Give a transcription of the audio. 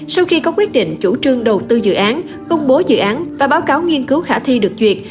sau khi có quyết định chủ trương đầu tư dự án công bố dự án và báo cáo nghiên cứu khả thi được duyệt